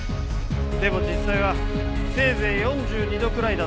でも実際はせいぜい４２度くらいだってさ。